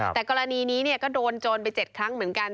แต่กรณีนี้ก็โดนโจรไป๗ครั้งเหมือนกัน